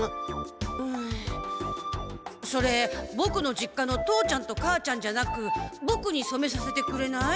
んそれボクの実家の父ちゃんと母ちゃんじゃなくボクにそめさせてくれない？